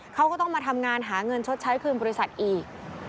เขาก็ต้องมาทำงานหาเงินชดใช้คืนบริษัทอีก